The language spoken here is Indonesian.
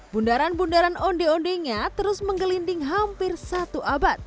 bundaran bundaran onde ondenya terus menggelinding hampir satu abad